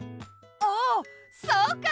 おそうか！